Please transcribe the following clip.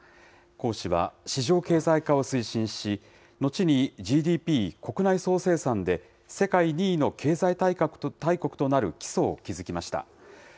江氏は、市場経済化を推進し、後にＧＤＰ・国内総生産で世界２位の経済大国となる基礎を築きました。